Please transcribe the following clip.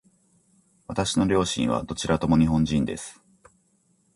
私の両親はどちらとも日本人です。